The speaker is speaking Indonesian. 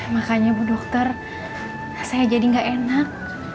makanya bu dokter saya jadi gak enak